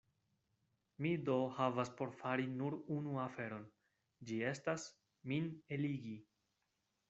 Mi do havas por fari nur unu aferon: ĝi estas, min eligi.